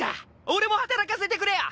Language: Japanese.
俺も働かせてくれよ！